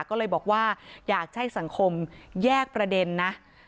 ก็เลยบอกว่าอยากให้สังคมแยกประเด็นนะ